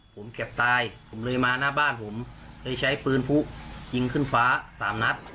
ผมเกือบตายผมเลยมาหน้าบ้านผมเลยใช้ปืนผู้ยิงขึ้นฟ้าสามนัด